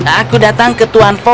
aku datang ke tuhan fahim